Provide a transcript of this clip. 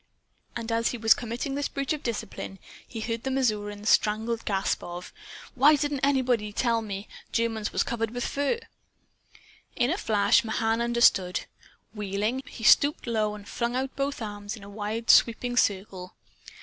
And as he was committing this breach of discipline, he heard the Missourian's strangled gasp of: "Why didn't anybody ever tell me Germans was covered with fur?" In a flash Mahan understood. Wheeling, he stooped low and flung out both arms in a wide sweeping circle.